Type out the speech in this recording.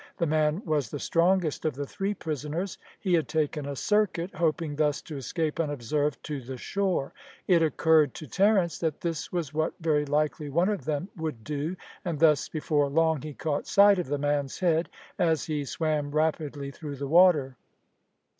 The man was the strongest of the three prisoners. He had taken a circuit, hoping thus to escape unobserved to the shore. It occurred to Terence that this was what very likely one of them would do, and thus before long he caught sight of the man's head, as he swam rapidly through the water.